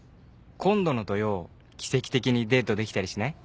「今度の土曜奇跡的にデートできたりしない？」